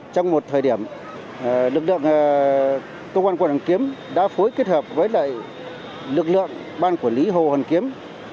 trong một thời điểm lực lượng công an quận hoàn kiếm đã phối kết hợp với lực lượng ban quản lý hồ hoàn kiếm